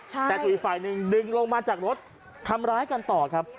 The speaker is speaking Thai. แต่ถูกอีกฝ่ายหนึ่งดึงลงมาจากรถทำร้ายกันต่อครับ